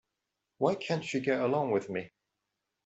Why can't she get along with me?